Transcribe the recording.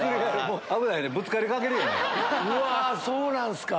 うわそうなんすか。